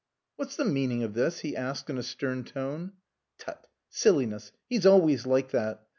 "What's the meaning of this?" he asked in a stern tone. "Tut! Silliness. He's always like that."